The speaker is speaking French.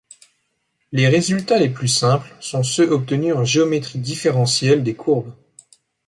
Les résultats les plus simples sont ceux obtenus en géométrie différentielle des courbes.